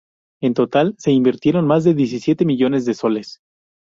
En total se invirtieron más de diecisiete millones de soles.